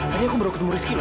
tadi aku berhutung rizky man